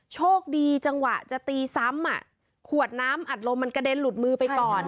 โชคดีจังหวะจะตีซ้ำขวดน้ำอัดลมมันกระเด็นหลุดมือไปก่อน